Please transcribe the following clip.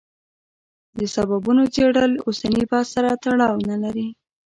د سببونو څېړل اوسني بحث سره تړاو نه لري.